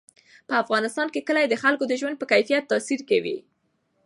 په افغانستان کې کلي د خلکو د ژوند په کیفیت تاثیر کوي.